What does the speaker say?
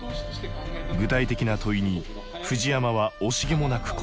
具体的な問いに藤山は惜しげもなく答える。